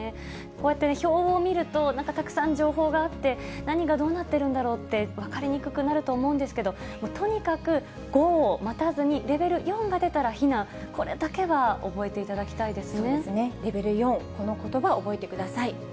こうやって表を見ると、なんかたくさん情報があって、何がどうなってるんだろうって分かりにくくなると思うんですけど、とにかく５を待たずに、レベル４が出たら避難、これだけは覚えてレベル４、このことば、覚えてください。